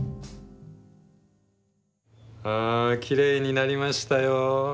あきれいになりましたよ。